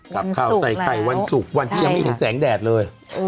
ข่าวใส่ไข่วันศุกร์วันที่ยังไม่เห็นแสงแดดเลย